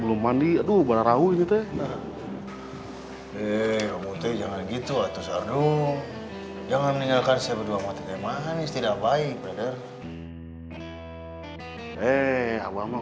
kita harus berhati hati dengan allah